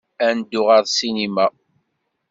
Ad neddu ɣer ssinima.